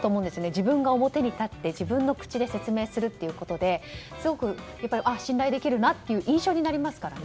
自分が表に立って自分の口で説明することですごく信頼できるなという印象になりますからね。